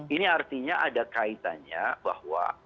ini artinya ada kaitannya bahwa